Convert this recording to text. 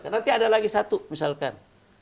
nanti ada lagi satu misalkan